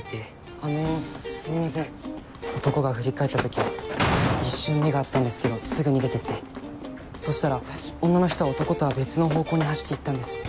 あのすいません男が振り返った時一瞬目が合ったんですけどすぐ逃げてってそしたら女の人は男とは別の方向に走って行ったんです。